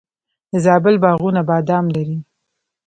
د زابل باغونه بادام لري.